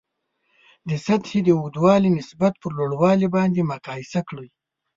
د سطحې د اوږدوالي نسبت پر لوړوالي باندې مقایسه کړئ.